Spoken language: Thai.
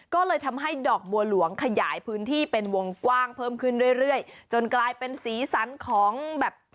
ก็เลยทำให้ดอกบัวหลวงขยายพื้นที่เป็นวงกว้างเพิ่มขึ้นเรื่อยเรื่อยจนกลายเป็นสีสันของแบบ